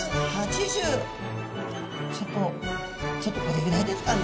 ちょっとちょっとこれぐらいですかね。